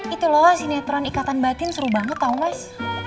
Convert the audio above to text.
itu loh sinetron ikatan batin seru banget tau mas